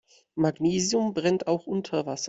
Magnesium brennt auch unter Wasser.